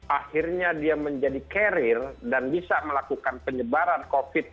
akhirnya dia menjadi carrier dan bisa melakukan penyebaran covid